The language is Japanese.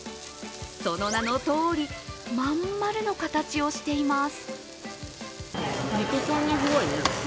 その名のとおり、まん丸の形をしています。